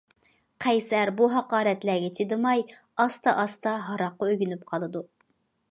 قەيسەر بۇ ھاقارەتلەرگە چىدىماي ئاستا- ئاستا ھاراققا ئۆگىنىپ قالىدۇ.